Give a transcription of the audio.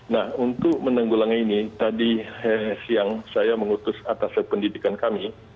nah untuk menanggulangi ini tadi siang saya mengutus atas pendidikan kami